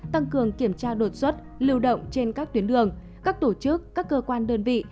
tăng cường kiểm tra đột xuất lưu động trên các tuyến đường các tổ chức các cơ quan đơn vị